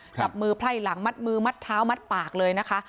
จับมือไพ่หลังมัดมือมัดเท้ามัดปากเลยนะคะ